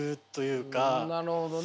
なるほどね。